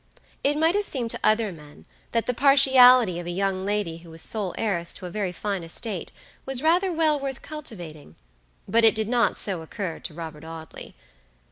It might have seemed to other men, that the partiality of a young lady who was sole heiress to a very fine estate, was rather well worth cultivating, but it did not so occur to Robert Audley.